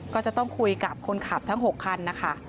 ก็จะต้องคุยกับคนขับทั้ง๖คันนะคะ